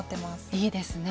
いいですね。